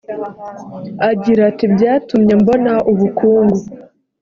agira ati byatumye mbona ubukungu